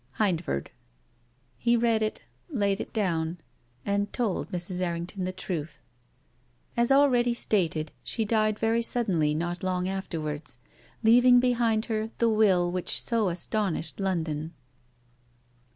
— HlND FORD." He read it, laid it down, and told Mrs. Erring ton the truth. •••••• As already stated, she died very suddenly not long afterwards, leaving behind her the will which so astonished London.